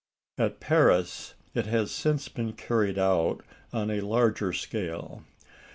At Paris, it has since been carried out on a larger scale.